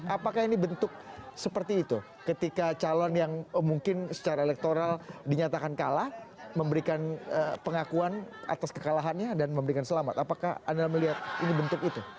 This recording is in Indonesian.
apakah ini bentuk seperti itu ketika calon yang mungkin secara elektoral dinyatakan kalah memberikan pengakuan atas kekalahannya dan memberikan selamat apakah anda melihat ini bentuk itu